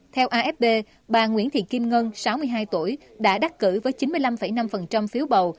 theo afp bà nguyễn thị kim ngân sáu mươi hai tuổi đã đắc cử với chín mươi năm năm phiếu bầu